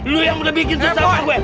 lu yang udah bikin susah pak emak gue